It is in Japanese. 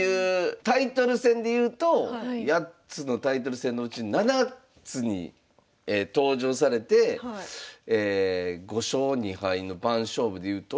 タイトル戦でいうと８つのタイトル戦のうち７つに登場されて５勝２敗の番勝負でいうと。